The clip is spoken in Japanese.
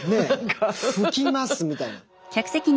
「拭きます」みたいな。